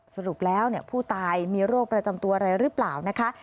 สรุปแล้วผู้ตายมีโรคประจำตัวอะไรหรือเปล่านะคะ